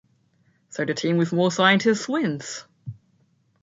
So the team with more scientists wins.